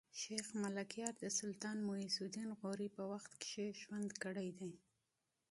شېخ ملکیار د سلطان معز الدین غوري په وخت کښي ژوند کړی دﺉ.